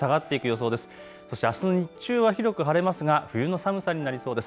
そしてあす日中は広く晴れますが冬の寒さになりそうです。